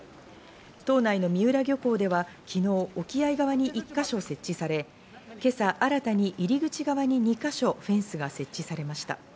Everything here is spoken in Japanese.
島内の三浦漁港では昨日、沖合側に１か所設置され、今朝、新たに入り口側に２か所フェンスが設置されました。